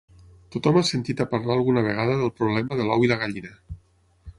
Tothom ha sentit a parlar alguna vegada del problema de l'ou i la gallina.